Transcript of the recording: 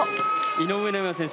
井上尚弥選手